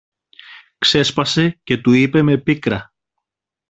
ξέσπασε και του είπε με πίκρα.